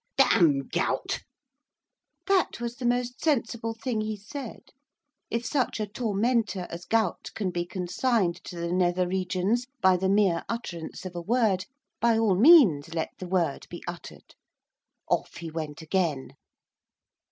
'Damn gout.' That was the most sensible thing he said; if such a tormentor as gout can be consigned to the nether regions by the mere utterance of a word, by all means let the word be uttered. Off he went again.